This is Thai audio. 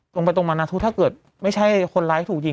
ตรงไปตรงมานะถ้าเกิดไม่ใช่คนร้ายถูกยิง